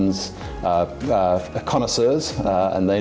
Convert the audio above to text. banyak makanan investments dari indonesia